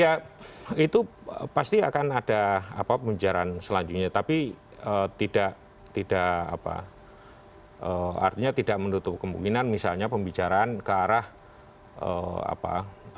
ya itu pasti akan ada pembicaraan selanjutnya tapi tidak tidak apa artinya tidak menutup kemungkinan misalnya pembicaraan ke arah apa